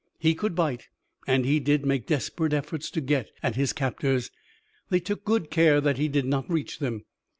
He could bite and he did make desperate efforts to get at his captors. They took good care that he did not reach them.